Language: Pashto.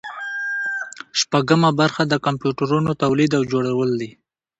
شپږمه برخه د کمپیوټرونو تولید او جوړول دي.